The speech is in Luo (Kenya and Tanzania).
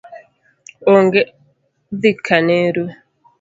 Onge dhi kaneru